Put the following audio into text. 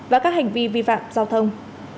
và các hành vi vi phạm giao thông